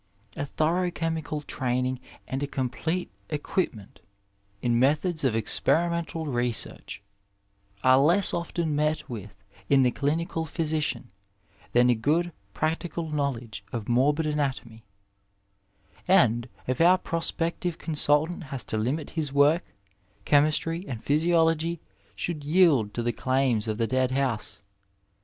A thorough chemical training and a complete equipment in methods of experimental research are less often met with in the clinical physician than a good practical know ledge of morbid anatomy ; and, if our prospective con sultant has to limit his work, chemistry and physiology should yidd to the claims of the dead house.